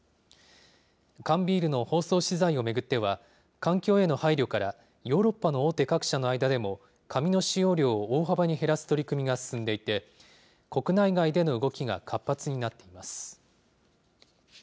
缶ビールの包装資材を巡っては、環境への配慮から、ヨーロッパの大手各社の間でも、紙の使用量を大幅に減らす取り組みが進んでいて、国内外での動きが活発になっています。